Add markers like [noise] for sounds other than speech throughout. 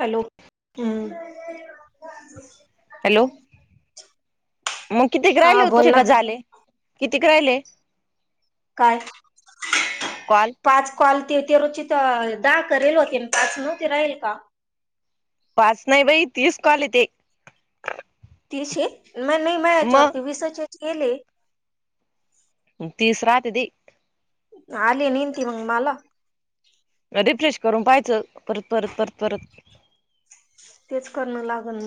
Hello हम्म. Hello मग कितीक हा राहिले बोल होतु ना का झाले? किती क राहिले? काय कॉल पाच कॉल. ते रुचित दहा करेल होते पाच नव्ह ते राहील का? वाच नाही बाई तीस कॉल ते तीनशे नाही माहया याच्यावरती मग विसच यांचे येल आहे. तिस राहतं ते आली नेनती मग मला. रिफ्रेश करून पायचं परत परत परत परत तेच करणं लागत.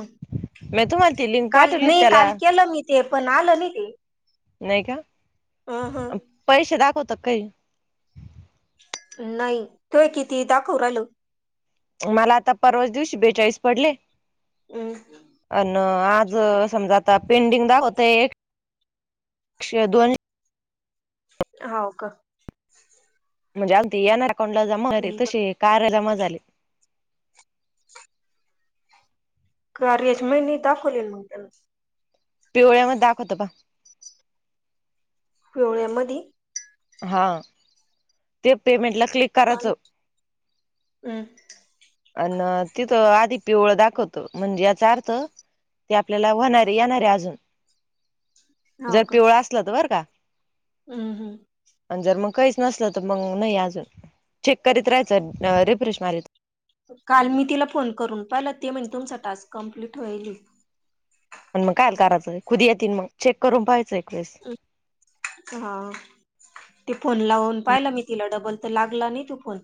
मी तुम्हाला ती लिंक काल पाठवली मी त्याला काल केलं मी ते पण आलं नाही ते नाही का अ ह पैसे दाखवतात काही नाही तूय किती दाखव राहलो. मला आता परवाज दिवशी बेचाळीस पडले. हम्. अन आज समजा आता पेंडिंग दाखवत एकशे दोन हो का. म्हणजे अगदी ये ना अकांटला जमा झाले तशी कार्याला जमा झाले. कार्याची माहि नाही दाखवलेल मग त्यान. पिवळ्या वर दाखवत का. पिवळ्या मधी. हा ते पेमेंट ला पा हम्. अनं तिथं आधी पिवळ दाखवतो म्हणजे याचा अर्थ ते आपल्याला होणारे येणारे अजून हो जर का पिवळा असल तर बरं का. हम्म हम्म. जर मग काहीच नसल तर मग नाही अजून चेक करीत राहायचं रिफ्रेश मारीत काल मी तिला फोन करून पाहिलं ते म्हणे तुमचा टास्क कंप्लीट होईल पण मग कायल करायचंय खुध ही येतील मंग चेक करून पाहायचं एक वेळेस हा ते फोन लावून पाहिला मी तिला डबल तर लागला नाही तो फोन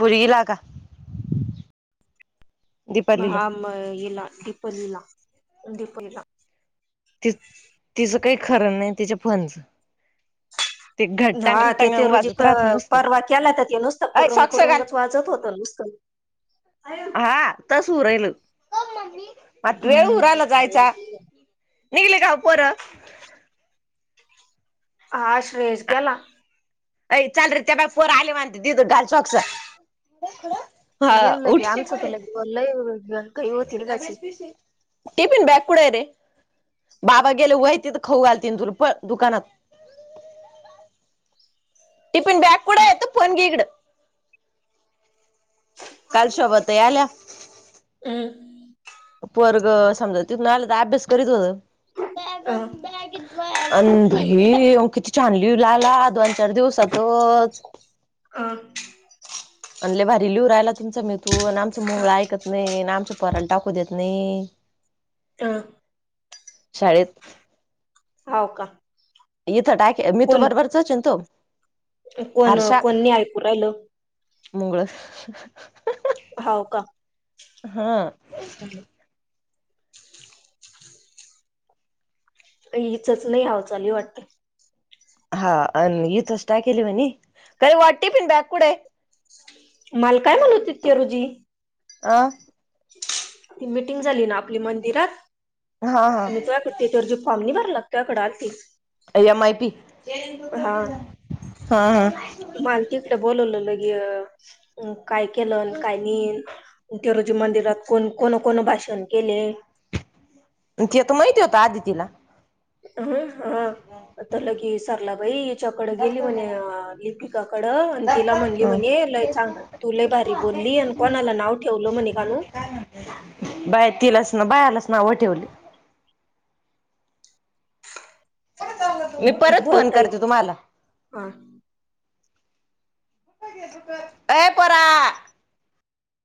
पुर इला का दीपालीला आम हिला दिपालीला दिपालीला ती तिजं काही खरं नाही तिच्या फोनचं ते घट हा टांगण तेथे टांगण रोजी वाजत राहत नुसतं परवा केलाता ते नुसतं अय कुरुंग सॉक्स घाल कुरुंगच वाजत होतं नुसत हा आत्ताच होऊ राहिलं [unintelligible] वेळ हम्म उरायला जायचा निघले का ओ पोरं हा श्रेयस गेला ऐ चाल रे त्या बाय पोरं आलेल म्हंत दि तो घाल सॉक्स हा गेल उठ लगे आमचं तर लगे लय घाई होती लगाची टिफिन बॅग कुठंय रे बाबा गेले व्हय तीथ खाऊ घालतील तुला पळ दुकानात [inaudible] टिफिन बॅग कुठंय तो फोन घे हिकडं काल शोभा ताई आल्या हम पोरगं समजा तिथनं आला तर अभ्यास करीत होत अह अन भई किती ह्यो छान लिहु लागला दोन चार दिवसातच [inaudible] अ अन लय भारी लिहू राहिला तुमचा मिथुन आमचं मोगळ ऐकत नाही ना आमच्या पोराला टाकू देत नाही अ शाळेत हाव का इथं टाके मिथुन कोण बरोबरचाच हाय ना तो कोण कोणी नाही ऐकू राहिलं मुंगळं हाव का हा हिचच नाही हाव चालली वाटत हा आणि इथंच टाकीला म्हणे काही वा टिफीन बॅग कुठंय मल काय म्हणत हुती ती रुजी आह ती मिटिंग झाली ना आपली मंदिरात हा हा मी तर त्याच्यावर जो फॉर्म नाही भरला मी आत्याकडं आलती एम आय पी हा हा हा. मला तिकडं बोलवलंल एक हे अन काय केलं अन काय नाही ते रोजी मंदिरात कोण कोण कोण भाषण केले तिथं माहिती होता आदितीला ह हा अतरलं की सरलाबाई हिच्याकडं गेली म्हणे लिपिकाकडं आणि तिला म्हणली हम्म. म्हणे हे लय छान तू लय भारी बोलली अन कोणाला नाव ठेवलं म्हणे कानू बाय तिलाच ना भयालाच नावं ठेवली मी परत फोन बोलता करते तुम्हाला हा [inaudible] ए पोरा